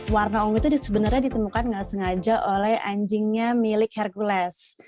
warna ungu itu sebenarnya ditemukan nggak sengaja oleh anjingnya milik hercules